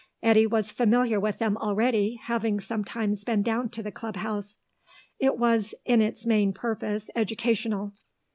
Eddy was familiar with them already, having sometimes been down to the Club House. It was in its main purpose educational.